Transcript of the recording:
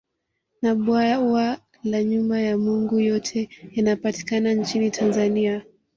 Na Bwawa la Nyumba ya Mungu yote yanapatikana nchini Tanzania